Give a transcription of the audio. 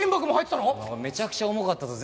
めちゃくちゃ重かったぞ。